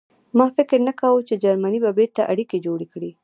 ما فکر نه کاوه چې جرمني به بېرته اړیکې جوړې کړي